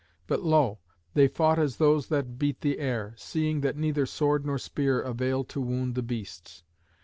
But lo! they fought as those that beat the air, seeing that neither sword nor spear availed to wound the beasts.